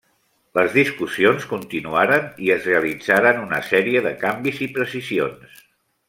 Les discussions continuaren i es realitzaren una sèrie de canvis i precisions.